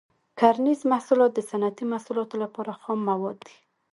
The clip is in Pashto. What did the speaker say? کرنیز محصولات د صنعتي محصولاتو لپاره خام مواد دي.